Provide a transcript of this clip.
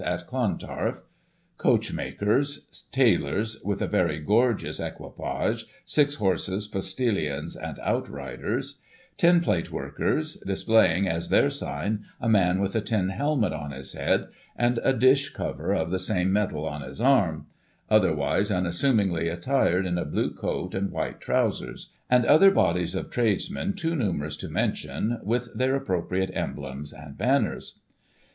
at Clontarf); coach makers, tailors (with a very gorgeous equipage, six horses, postillions and outriders); tinplate workers, displaying as their sign, a man with a tin helmet on his head, and a dish cover of the same metal on his arm — otherwise unassumingly attired in a blue coat and white trousers; and other bodies of tradesmen too numerous to mention, with their appropriate emblems and banners.